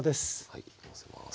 はいのせます。